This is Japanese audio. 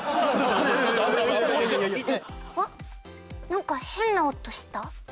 「何か変な音した」？